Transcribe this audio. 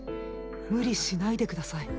無理しないで下さい！